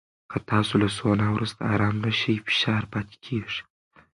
که تاسو له سونا وروسته ارام نه شئ، فشار پاتې کېږي.